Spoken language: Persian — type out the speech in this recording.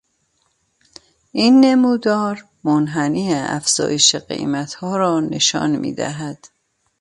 این نمودار منحنی افزایش قیمتها را نشان میدهد.